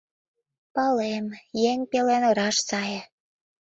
Палем, еҥ пелен ыраш сае